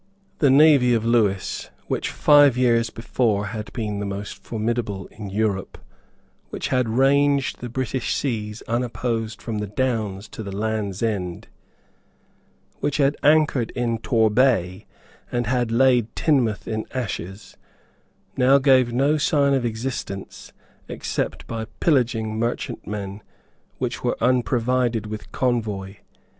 The navy of Lewis, which, five years before, had been the most formidable in Europe, which had ranged the British seas unopposed from the Downs to the Land's End, which had anchored in Torbay and had laid Teignmouth in ashes, now gave no sign of existence except by pillaging merchantmen which were unprovided with convoy.